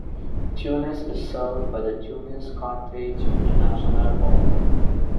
Tunis is served by the Tunis-Carthage International Airport.